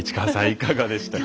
いかがでしたか？